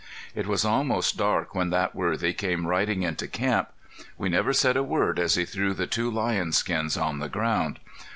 It was almost dark when that worthy came riding into camp. We never said a word as he threw the two lion skins on the ground.